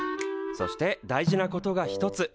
そして大事なことが一つ。